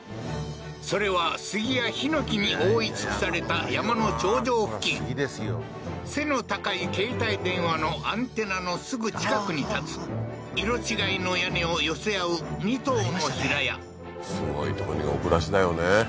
それは杉やヒノキに覆い尽くされた山の頂上付近背の高い携帯電話のアンテナのすぐ近くに建つ色違いの屋根を寄せ合う２棟の平屋すごいとこにお暮らしだよね